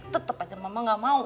tetep aja mama gak mau